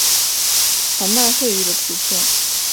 长麦穗鱼的图片